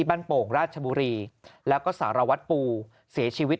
โป่งราชบุรีแล้วก็สารวัตรปูเสียชีวิต